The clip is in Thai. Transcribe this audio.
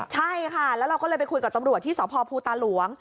ใช่ค่ะแล้วเราก็เลยไปคุยกับตำรวจที่สพภูตาหลวง